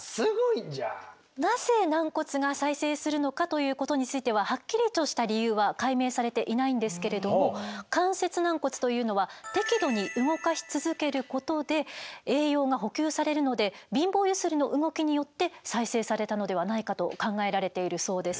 なぜ軟骨が再生するのかということについてははっきりとした理由は解明されていないんですけれども関節軟骨というのは適度に動かし続けることで栄養が補給されるので貧乏ゆすりの動きによって再生されたのではないかと考えられているそうです。